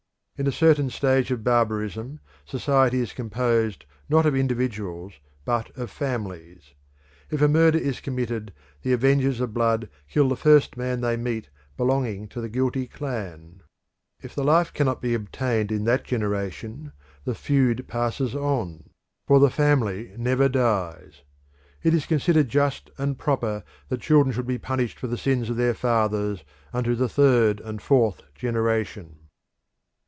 In a certain stage of barbarism society is composed not of individuals but of families. If a murder is committed the avengers of blood kill the first man they meet belonging to the guilty clan. If the life cannot be obtained in that generation the feud passes on, for the family never dies. It is considered just and proper that children should be punished for the sins of their fathers unto the third and fourth generation.